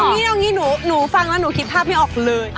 งี้เอางี้หนูฟังแล้วหนูคิดภาพไม่ออกเลย